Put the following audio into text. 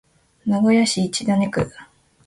名古屋市千種区